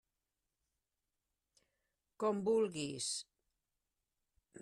Com vulguis.